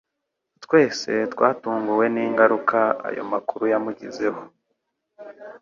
Twese twatunguwe n'ingaruka ayo makuru yamugizeho.